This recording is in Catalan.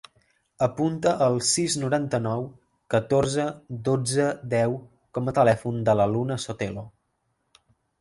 Apunta el sis, noranta-nou, catorze, dotze, deu com a telèfon de la Luna Sotelo.